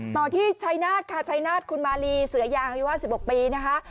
ต่อที่ชัยนาศค่ะชัยนาศคุณมารีเสืออย่างว่าสิบอักปีนะคะ